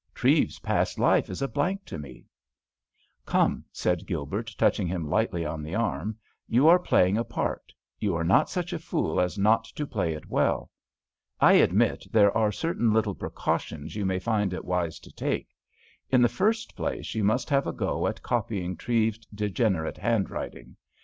Treves's past life is a blank to me:" "Come," said Gilbert, touching him lightly on the arm, "you are playing a part; you are not such a fool as not to play it well. I admit there are certain little precautions you may find it wise to take. In the first place, you might have a go at copying Treves's degenerate handwriting.